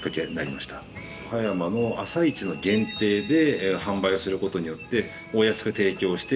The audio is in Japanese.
葉山の朝市の限定で販売をする事によってお安く提供をして。